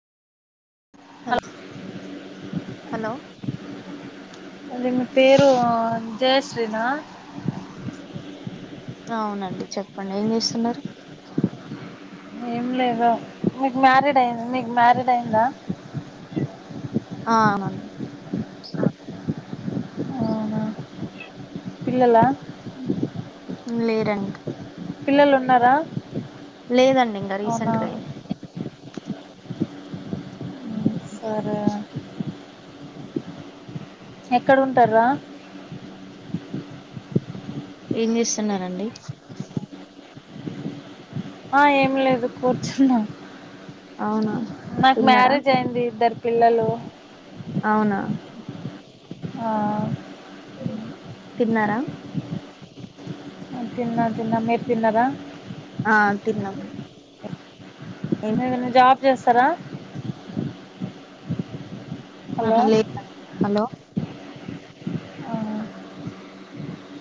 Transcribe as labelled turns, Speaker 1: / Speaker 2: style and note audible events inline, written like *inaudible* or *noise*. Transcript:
Speaker 1: Hello hello
Speaker 2: అది మీ పేరు ఆ అం జయశ్రీనా
Speaker 1: అవునండి చెప్పండి ఏం చేస్తున్నారు.
Speaker 2: ఏం లేదు. మీక్ మ్యారీడ్ అయిం మీకు మ్యారీడ్ అయ్యిందా
Speaker 1: ఆ
Speaker 2: అవునా పిల్లలా
Speaker 1: లేరండి.
Speaker 2: పిల్లలున్నరా
Speaker 1: లేదండి ఇంకా రీసెంట్గా అయిం
Speaker 2: సరే
Speaker 1: *inaudible*
Speaker 2: ఎక్కడ ఉంటార్రా
Speaker 1: ఏం చేస్తున్నారండి.
Speaker 2: ఆ ఏం లేదు కూర్చున్న
Speaker 1: అవునా
Speaker 2: నాకు
Speaker 1: తిన్నారా
Speaker 2: మ్యారేజ్ అయింది ఇద్దర్ పిల్లలూ
Speaker 1: అవునా
Speaker 2: ఆ
Speaker 1: తిన్నారా
Speaker 2: తిన్నా తిన్నా మీర్ తిన్నరా
Speaker 1: ఆ తిన్నం.
Speaker 2: ఏమన్న జాబ్ చేస్తరా
Speaker 1: హలో
Speaker 2: ఆ.